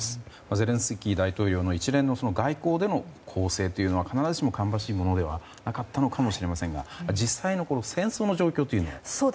ゼレンスキー大統領の一連の外交での攻勢というのは必ずしも、芳しいものではなかったのかもしれませんが実際の戦争の状況は？